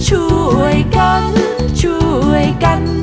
ช่วยกันช่วยกัน